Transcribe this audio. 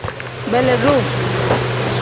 Beelidu.